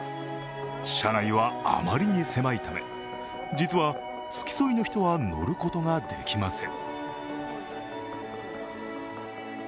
車内は、あまりに狭いため実は付き添いの人は乗ることができません。